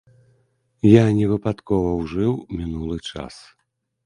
Я невыпадкова ужыў мінулы час.